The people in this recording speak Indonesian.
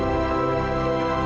aku harus ke belakang